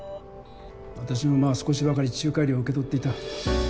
私もまあ少しばかり仲介料を受け取っていた。